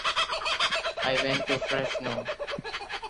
I went to Fresno.